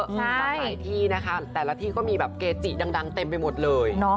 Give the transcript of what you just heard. ก็หลายที่นะคะแต่ละที่ก็มีแบบเกจิดังเต็มไปหมดเลย